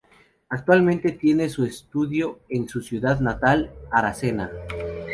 Actualmente tiene su estudio en su ciudad natal, Aracena.